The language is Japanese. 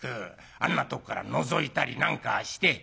あんなとこからのぞいたりなんかして」。